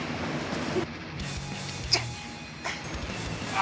あ！